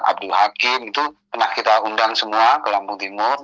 abdul hakim itu pernah kita undang semua ke lampung timur